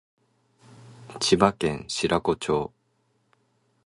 千葉県白子町